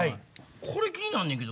これ気になんねんけど。